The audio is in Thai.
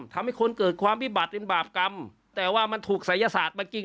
ทำให้คนเกิดความวิบัติเป็นบาปกรรมแต่ว่ามันถูกศัยศาสตร์มาจริง